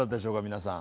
皆さん。